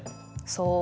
そう。